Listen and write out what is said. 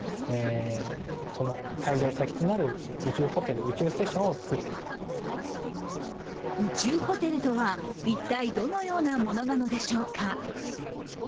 その夢とは宇宙ホテルとは一体どのようなものなのでしょうか。